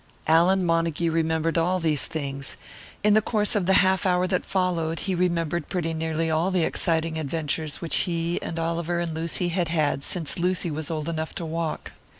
Allan Montague remembered all these things; in the course of the half hour that followed he remembered pretty nearly all the exciting adventures which he and Oliver and Lucy had had since Lucy was old enough to walk.